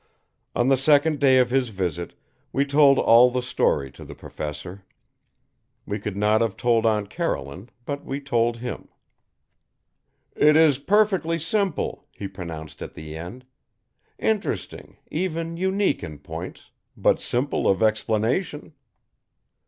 On the second day of his visit, we told all the story to the Professor. We could not have told Aunt Caroline, but we told him. "It is perfectly simple," he pronounced at the end. "Interesting, even unique in points, but simple of explanation."